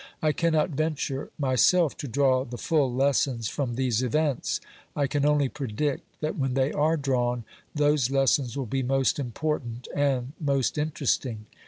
I cannot venture myself to draw the full lessons from these events; I can only predict that when they are drawn, those lessons will be most important, and most interesting.